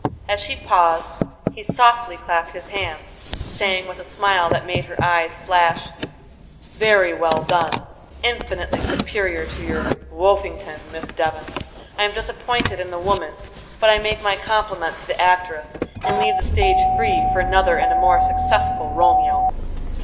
As she paused, he softly clapped his hands, saying, with a smile that made her eyes flash: "Very well done! infinitely superior to your 'Woffington,' Miss Devon. I am disappointed in the woman, but I make my compliment to the actress, and leave the stage free for another and a more successful Romeo."